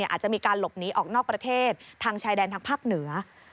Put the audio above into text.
อาจจะมีการหลบหนีออกนอกประเทศทางชายแดนทางภาคเหนือ